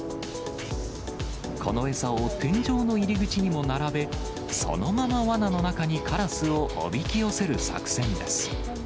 この餌を天井の入り口にも並べ、そのままわなの中にカラスをおびき寄せる作戦です。